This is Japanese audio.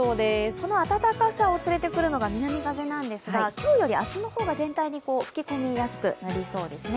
この暖かさを連れてくるのが南風なんですが今日より明日の方が全体に吹き込みやすくなりそうですね。